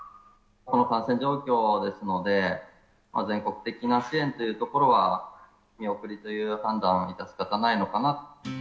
この感染状況ですので、全国的な支援というところは、見送りという判断は致し方ないのかなと。